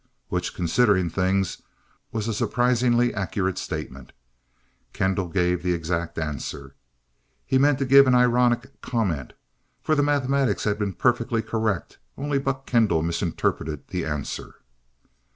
Which, considering things, was a surprisingly accurate statement. Kendall gave the exact answer. He meant to give an ironic comment. For the mathematics had been perfectly correct, only Buck Kendall misinterpreted the answer.